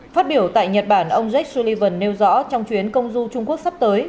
phát biểu tại nhật bản ông jake sullivan nêu rõ trong chuyến công du trung quốc sắp tới